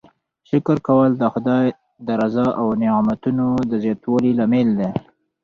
شکر کول د خدای د رضا او نعمتونو د زیاتوالي لامل دی.